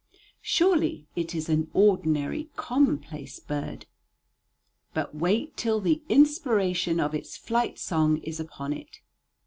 Surely it is an ordinary, commonplace bird. But wait till the inspiration of its flight song is upon it.